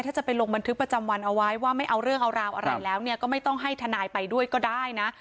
ถ้าจะไปลงบันทึกประจำวันเอาไว้ก็ไม่ต้องให้ทนายไปด้วยก็ได้นะ